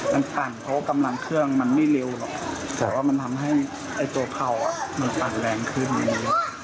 มันสั่นเพราะว่ากำลังเครื่องมันไม่เร็วหรอกแต่ว่ามันทำให้ตัวเขามันปั่นแรงขึ้นอย่างนี้